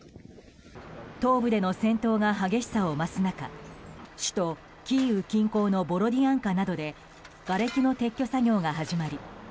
東部での戦闘が激しさを増す中首都キーウ近郊のボロディアンカなどでがれきの撤去作業が始まり